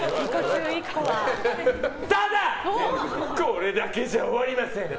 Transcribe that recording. ただ、これだけじゃ終わりません！